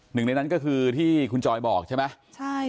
หนึ่งในนั้นก็คือที่คุณจอยบอกใช่ไหมใช่